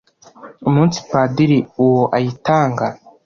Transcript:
Umunsi Padiri uwo ayitanga,